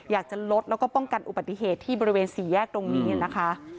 อยากจะลดแล้วก็ป้องกันอุบัติเหตุที่บริเวณสี่แยกตรงนี้นะคะ